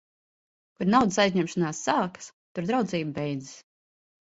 Kur naudas aizņemšanās sākas, tur draudzība beidzas.